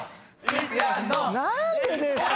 何でですか